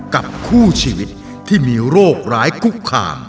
กับคู่ชีวิตที่มีโรคร้ายคุกคาม